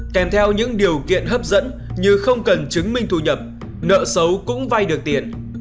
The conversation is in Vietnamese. kèm theo những điều kiện hấp dẫn như không cần chứng minh thu nhập nợ xấu cũng vay được tiền